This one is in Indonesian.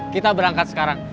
kita berangkat sekarang